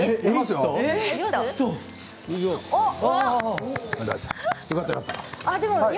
よかった、よかった。